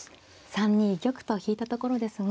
３二玉と引いたところですが。